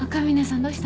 どうしたの？